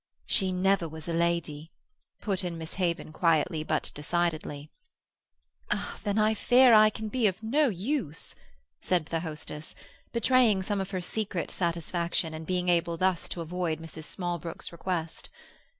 "She never was a lady," put in Miss Haven quietly but decidedly. "Then I fear I can be of no use," said the hostess, betraying some of her secret satisfaction in being able thus to avoid Mrs. Smallbrook's request.